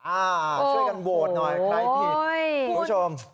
อ่าช่วยกันโหวตหน่อยใครผิดคุณผู้ชม